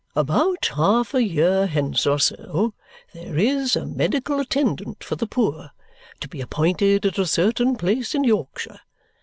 "About half a year hence or so, there is a medical attendant for the poor to be appointed at a certain place in Yorkshire.